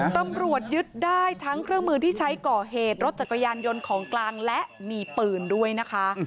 ตำรวจยึดได้ทั้งเครื่องมือที่ใช้ก่อเหตุรถจักรยานยนต์ของกลางและมีปืนด้วยนะคะ